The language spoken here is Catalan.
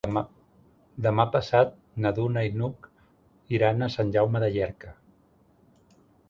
Demà passat na Duna i n'Hug iran a Sant Jaume de Llierca.